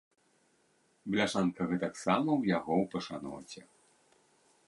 Бляшанка гэтаксама ў яго ў пашаноце.